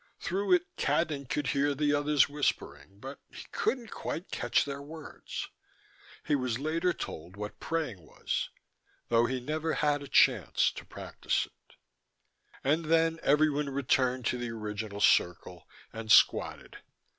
Through it, Cadnan could hear the others whispering, but he couldn't quite catch their words. He was later told what praying was, though he never had a chance to practice it. And then everyone returned to the original circle, and squatted.